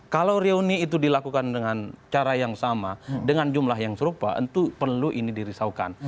kalau reuni itu dilakukan dengan cara yang sama dengan jumlah yang serupa itu perlu ini dirisaukan